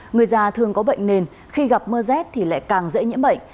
người già thường có bệnh nền khi gặp mưa rét thì lại càng dễ nhiễm bệnh